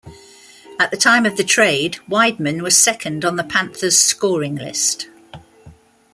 At the time of the trade, Wideman was second on the Panthers' scoring list.